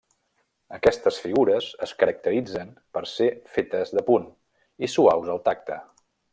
Aquestes figures es caracteritzen per ser fetes de punt, i suaus al tacte.